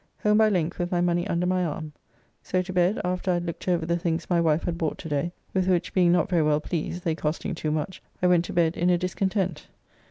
Home by link with my money under my arm. So to bed after I had looked over the things my wife had bought to day, with which being not very well pleased, they costing too much, I went to bed in a discontent.